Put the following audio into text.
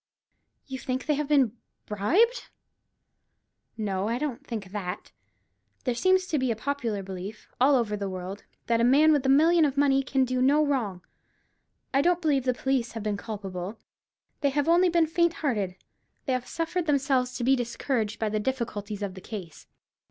"You think they have been bribed?" "No; I don't think that. There seems to be a popular belief, all over the world, that a man with a million of money can do no wrong. I don't believe the police have been culpable; they have only been faint hearted. They have suffered themselves to be discouraged by the difficulties of the case.